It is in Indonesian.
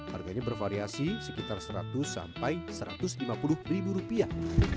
harganya bervariasi sekitar seratus sampai satu ratus lima puluh ribu rupiah